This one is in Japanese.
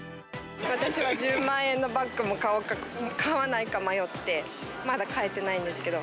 私は１０万円のバッグも買おうか買わないか迷って、まだ買えてないんですけど。